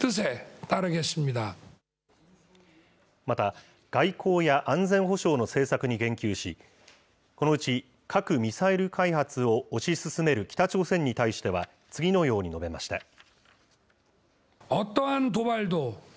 また、外交や安全保障の政策に言及し、このうち核・ミサイル開発を推し進める北朝鮮に対しては次のように述べました。